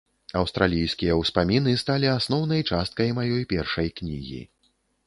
Аўстралійскія ўспаміны сталі асноўнай часткай маёй першай кнігі.